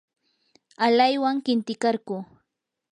alaywan qintikarquu.